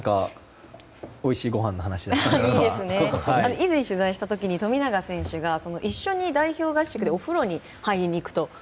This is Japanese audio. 以前、取材した時に富永選手が一緒に代表合宿でお風呂に入りに行くと。